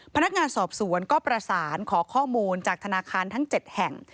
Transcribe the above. พนักงานสอบสวนก็ประสานขอข้อมูลจากธนาคารทั้ง๗แห่ง